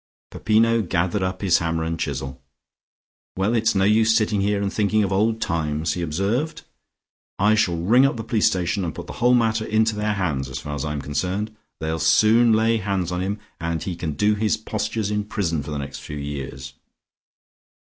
Peppino gathered up his hammer and chisel. "Well, it's no use sitting here and thinking of old times," he observed. "I shall ring up the police station and put the whole matter into their hands, as far as I am concerned. They'll soon lay hands on him, and he can do his postures in prison for the next few years."